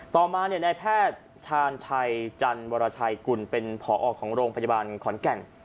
ต่อมาในแพทย์ชาญชัยจันวรชัยกุลเป็นผอของโรงพยาบาลขอนแก่น